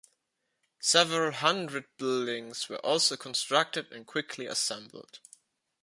Several hundred buildings were also constructed and quickly assembled.